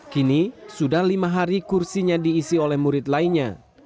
kini sudah lima hari kursinya diisi oleh murid lainnya